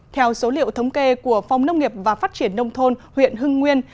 theo số liệu thống kê của phòng nông nghiệp và phát triển nông thôn huyện hưng nguyên